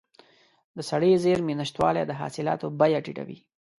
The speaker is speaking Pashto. د سړې زېرمې نشتوالی د حاصلاتو بیه ټیټوي.